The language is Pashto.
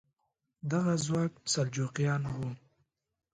دغه ځواک سلجوقیان وو.